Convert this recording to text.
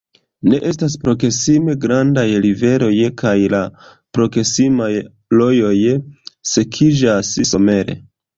Ne estas proksime grandaj riveroj kaj la proksimaj rojoj sekiĝas somere.